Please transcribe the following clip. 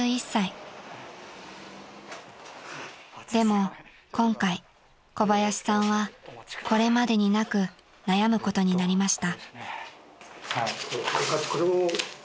［でも今回小林さんはこれまでになく悩むことになりました］